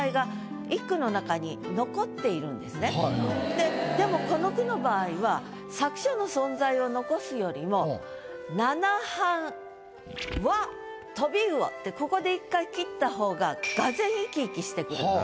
でこのでもこの句の場合は作者の存在を残すよりも「７５０ｃｃは飛魚」ってここで一回切った方ががぜん生き生きしてくるんです。